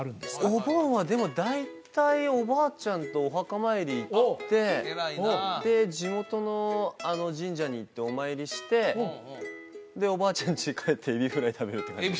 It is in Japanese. お盆はでも大体おばあちゃんとお墓参り行ってで地元の神社に行ってお参りしてでおばあちゃんちへ帰ってエビフライ食べるって感じです